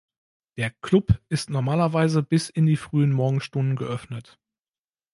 Der "Club" ist normalerweise bis in die frühen Morgenstunden geöffnet.